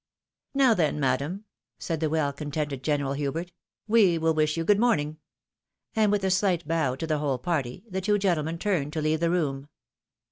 "Now, then, madam," said the well contented General Hubert, " we will wish you good morning," and with a slight bow to the whole party, the two gentlemen turned to leave the room.